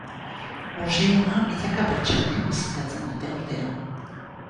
Museoa milaka pertsonek bisitatzen dute urtero.